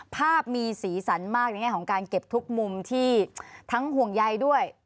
ภาพมีสีสันมากในแง่ของการเก็บทุกมุมที่ทั้งห่วงใยด้วย